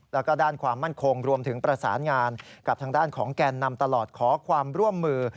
แล้วก็ด้านความมั่นคงรวมถึงประสานงานกับทางด้านของแกนนำตลอดขอความร่วมมือ